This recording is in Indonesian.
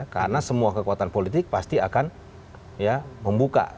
karena semua kekuatan politik pasti akan membuka